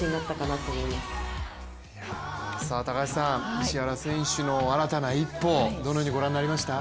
石原選手の新たな一歩、どのようにご覧になりましたか？